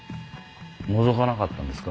のぞかなかったんですか？